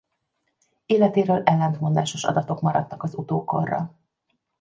Életéről ellentmondásos adatok maradtak az utókorra.